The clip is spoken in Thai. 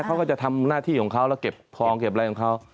เขาก็จะทำหน้าที่ของเขาแล้วเก็บทองเก็บอะไรของเขา